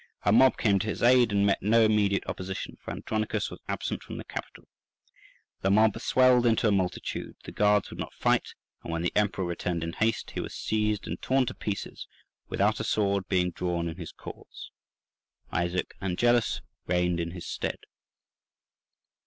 A mob came to his aid, and met no immediate opposition, for Andronicus was absent from the capital. The mob swelled into a multitude, the guards would not fight, and when the Emperor returned in haste, he was seized and torn to pieces without a sword being drawn in his cause. Isaac Angelus reigned in his stead.